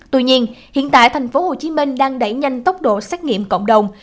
tuy nhiên hiện tại tp hcm đang đẩy nhanh tốc độ xét nghiệm cộng đồng